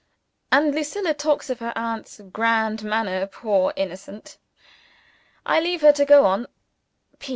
And Lucilla talks of her aunt's "grand manner!" Poor innocent! I leave her to go on.